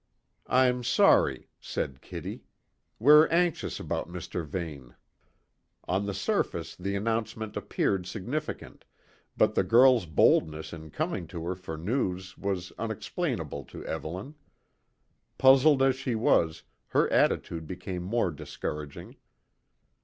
"I'm sorry," said Kitty. "We're anxious about Mr. Vane." On the surface, the announcement appeared significant, but the girls' boldness in coming to her for news was unexplainable to Evelyn. Puzzled as she was, her attitude became more discouraging.